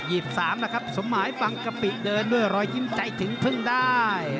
นะครับสมหมายฟังกะปิเดินด้วยรอยยิ้มใจถึงพึ่งได้